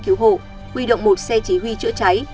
cứu hộ huy động một xe chỉ huy chữa cháy